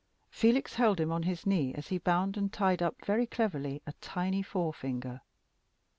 Felix held him on his knee as he bound and tied up very cleverly a tiny forefinger.